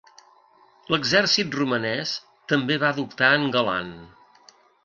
L'exèrcit romanès també va adoptar el Galand.